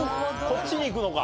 こっちに行くのか。